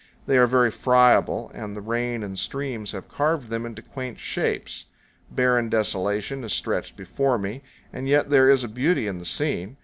They are very friable, and the rain and streams have carved them into quaint shapes. Barren desolation is stretched before me; and yet there is a beauty in the scene.